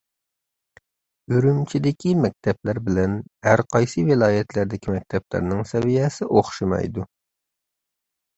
ئۈرۈمچىدىكى مەكتەپلەر بىلەن ھەر قايسى ۋىلايەتلەردىكى مەكتەپلەرنىڭ سەۋىيەسى ئوخشىمايدۇ.